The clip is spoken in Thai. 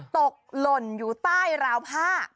หล่นอยู่ใต้ราวผ้า